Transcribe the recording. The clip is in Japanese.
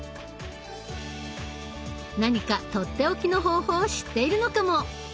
何か取って置きの方法を知っているのかも！